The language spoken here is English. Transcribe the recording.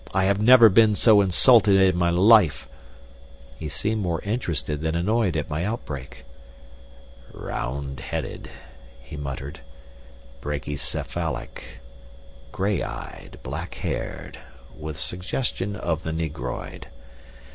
I have never been so insulted in my life." He seemed more interested than annoyed at my outbreak. "Round headed," he muttered. "Brachycephalic, gray eyed, black haired, with suggestion of the negroid.